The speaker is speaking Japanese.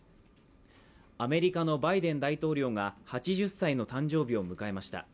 アメリカのバイデン大統領が８０歳の誕生日を迎えました。